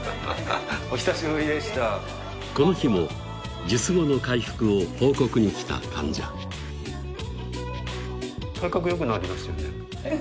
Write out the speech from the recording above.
お久しぶりでしたこの日も術後の回復を報告に来た患者体格よくなりましたよね